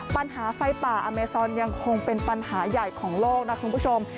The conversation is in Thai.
ปัญหาไฟป่าอเมซอนยังคงเป็นปัญหาใหญ่ของโลกนะคุณผู้ชม